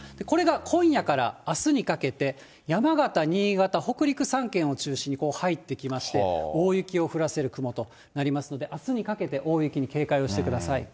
これが今夜からあすにかけて、山形、新潟、北陸３県を中心に入ってきまして、大雪を降らせる雲となりますので、あすにかけて大雪に警戒してくだ